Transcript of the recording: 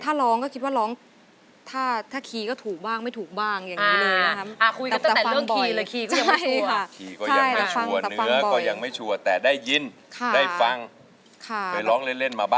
ถ้าร้องก็คิดว่าร้องถ้าคีย์ก็ถูกบ้างไม่ถูกบ้างอย่างนี้เลย